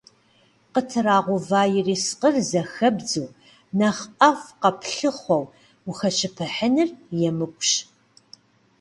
Къытрагъэува ерыскъыр зэхэбдзу, нэхъ ӏэфӏ къэплъыхъуэу ухэщыпыхьыныр емыкӏущ.